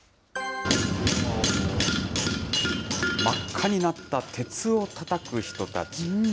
真っ赤になった鉄をたたく人たち。